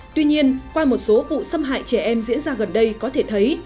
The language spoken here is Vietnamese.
tuy nhiên qua một số vụ xâm hại trẻ em diễn ra gần đây có thể thấy